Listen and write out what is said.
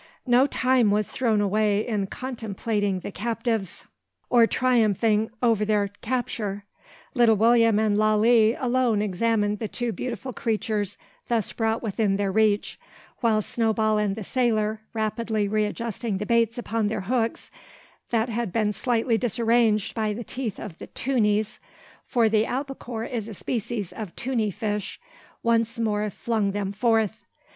No time was thrown away in contemplating the captives, or triumphing over their capture. Little William and Lalee alone examined the two beautiful creatures thus brought within their reach; while Snowball and the sailor, rapidly readjusting the baits upon their hooks, that had been slightly disarranged by the teeth of the tunnies, for the albacore is a species of tunny fish, once more flung them forth.